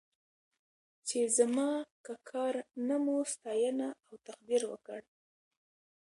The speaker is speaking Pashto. چې زما که کار نه مو ستاینه او تقدير وکړ.